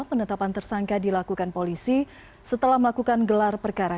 penetapan tersangka dilakukan polisi setelah melakukan gelar perkara